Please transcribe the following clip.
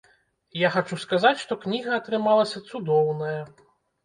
Я хачу сказаць, што кніга атрымалася цудоўная.